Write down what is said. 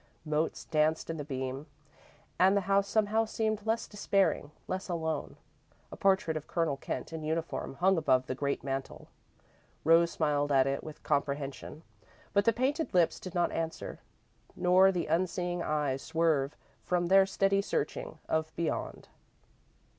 Motes danced in the beam, and the house somehow seemed less despairing, less alone. A portrait of Colonel Kent, in uniform, hung above the great mantel. Rose smiled at it with comprehension, but the painted lips did not answer, nor the unseeing eyes swerve from their steady searching of Beyond.